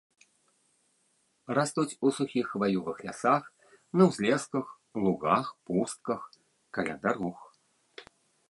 Растуць у сухіх хваёвых лясах, на ўзлесках, лугах, пустках, каля дарог.